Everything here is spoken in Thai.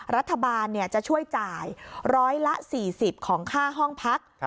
รัฐบาลจะช่วยจ่ายร้อยละ๔๐ของค่าห้องพัก